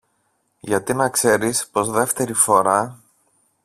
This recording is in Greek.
γιατί να ξέρεις πως δεύτερη φορά